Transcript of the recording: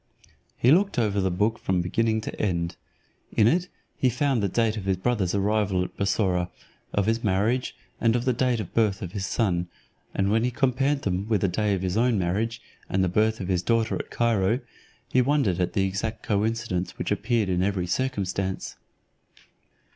He looked over the book from beginning to end. In it he found the date of his brother's arrival at Bussorah, of his marriage, and of the birth of his son; and when he compared them with the day of his own marriage, and the birth of his daughter at Cairo, he wondered at the exact coincidence which appeared in every circumstance.